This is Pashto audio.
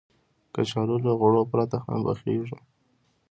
کچالو له غوړو پرته هم پخېږي